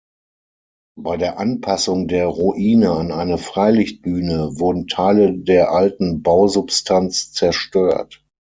Bei der Anpassung der Ruine an eine Freilichtbühne wurden Teile der alten Bausubstanz zerstört.